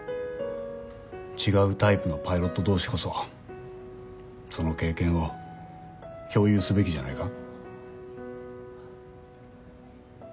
違うタイプのパイロット同士こそその経験を共有すべきじゃないか？